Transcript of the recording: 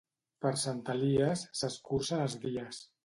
Per Sant Elies s'escurcen els dies.